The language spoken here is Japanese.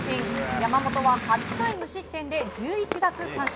山本は８回無失点で１１奪三振。